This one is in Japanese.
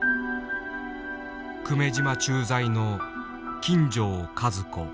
久米島駐在の金城和子。